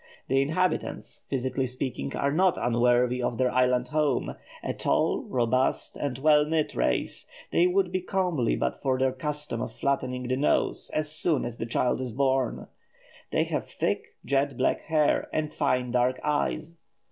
The inhabitants, physically speaking, are not unworthy of their island home; a tall, robust, and well knit race, they would be comely but for their custom of flattening the nose as soon as the child is born. They have thick jet black hair and fine dark eyes.